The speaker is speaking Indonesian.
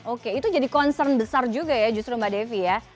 oke itu jadi concern besar juga ya justru mbak devi ya